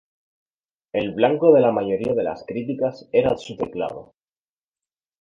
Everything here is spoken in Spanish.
El blanco de la mayoría de las críticas era su teclado.